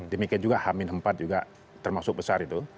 demikian juga hamin empat juga termasuk besar itu